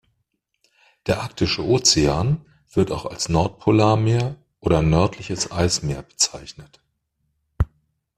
Der Arktische Ozean, wird auch als Nordpolarmeer oder nördliches Eismeer bezeichnet.